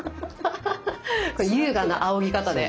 優雅なあおぎ方で。